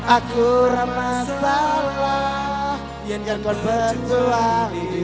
aku ramah salah ian kan kuat berjuang diwi